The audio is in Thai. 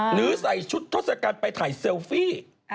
หรือใส่ชุดถ้อสสกันไปถ่ายเซลฟี่